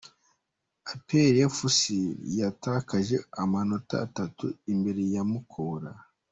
Aperi efuse yatakaje amanota atatu imbere ya Mukura